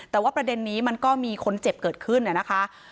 แต่ว่าประเด็นนี้มันก็มีคนเจ็บเกิดขึ้นนะคะ